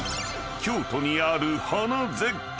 ［京都にある花絶景］